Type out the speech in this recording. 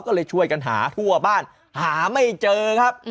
ก็เลยช่วยกันหาทั่วบ้านหาไม่เจอครับ